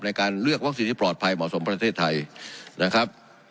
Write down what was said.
ในการเลือกวัคซีนที่ปลอดภัยเหมาะสมประเทศไทยนะครับ